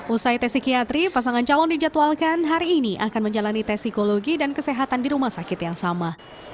usai tes psikiatri pasangan calon dijadwalkan hari ini akan menjalani tes psikologi dan kesehatan di rumah sakit yang sama